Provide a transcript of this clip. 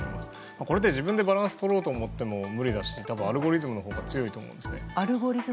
これで自分でバランスを取ろうと思っても無理だしアルゴリズムのほうが強いと思うんですね。